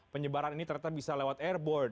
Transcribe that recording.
penyebaran ini ternyata bisa lewat airbor